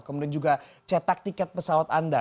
kemudian juga cetak tiket pesawat anda